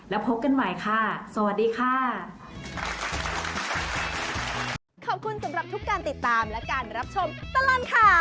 แล้วพบกันใหม่ค่ะสวัสดีค่ะ